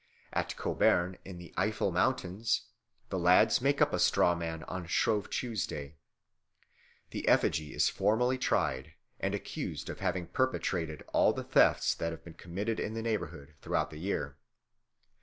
At Cobern in the Eifel Mountains the lads make up a straw man on Shrove Tuesday. The effigy is formally tried and accused of having perpetrated all the thefts that have been committed in the neighbourhood throughout the year.